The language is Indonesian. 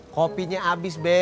kopinya abis be